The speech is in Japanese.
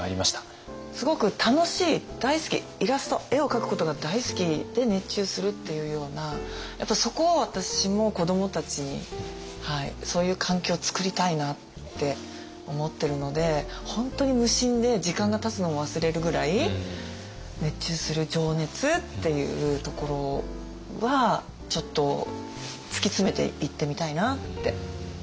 すごく楽しい大好きイラスト絵を描くことが大好きで熱中するっていうようなやっぱそこを私も子どもたちにそういう環境をつくりたいなって思ってるので本当に無心で時間がたつのも忘れるぐらい熱中する情熱っていうところはちょっと突き詰めていってみたいなって思いました。